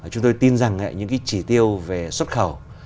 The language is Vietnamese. chúng tôi tin rằng những cái chỉ tiêu về xuất khẩu